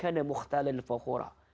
ataupun tetangga jauh